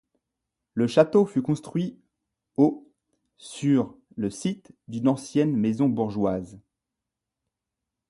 Le château fut construit au sur le site d'une ancienne maison bourgeoise.